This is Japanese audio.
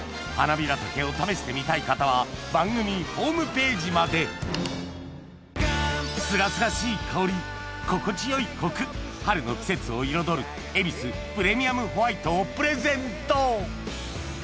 ハナビラタケを試してみたい方は番組ホームページまですがすがしい香り心地よいコク春の季節を彩る「ヱビスプレミアムホワイト」をプレゼント